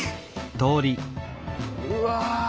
うわ。